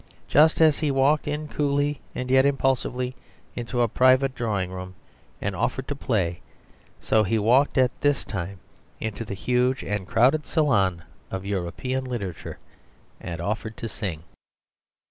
Just as he walked in coolly and yet impulsively into a private drawing room and offered to play, so he walked at this time into the huge and crowded salon of European literature and offered to sing.